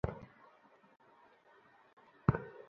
সে তার পাশ দিয়ে আনাগোনা করত এবং তাকে আঘাত করত।